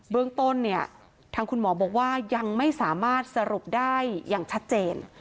เรื่องต้นเนี่ยทางคุณหมอบอกว่ายังไม่สามารถสรุปได้อย่างชัดเจน